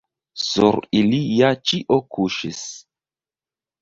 Sur ili ja ĉio kuŝis.